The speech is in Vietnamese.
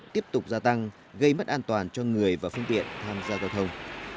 tiếp tục gia tăng gây mất an toàn cho người và phương tiện tham gia giao thông